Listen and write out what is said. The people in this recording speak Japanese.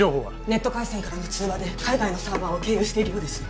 ネット回線からの通話で海外のサーバーを経由しているようです